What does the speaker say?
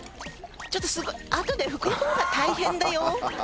ちょっとすごいあとで拭く方が大変だよ